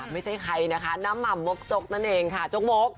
ไม่ใช่ใครนะคะน้ำห่ำมกจกนั่นเองค่ะจกมก